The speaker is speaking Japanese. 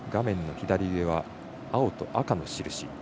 左上は、青と赤の印。